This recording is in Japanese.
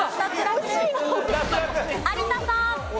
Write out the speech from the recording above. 有田さん。